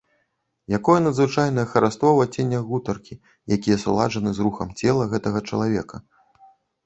Якое надзвычайнае хараство ў адценнях гутаркі, якія суладжаны з рухам цела гэтага чалавека!